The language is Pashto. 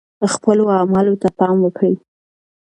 خپلو اعمالو ته پام وکړئ.